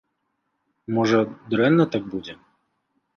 Можа, дрэнна так будзе?